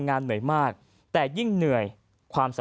พลเอกเปรยุจจันทร์โอชานายกรัฐมนตรีพลเอกเปรยุจจันทร์โอชานายกรัฐมนตรี